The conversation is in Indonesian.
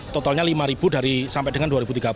totalnya lima ribu sampai dengan dua ribu tiga puluh